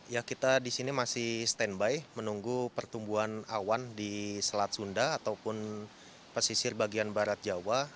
ya kita di sini masih standby menunggu pertumbuhan awan di selat sunda ataupun pesisir bagian barat jawa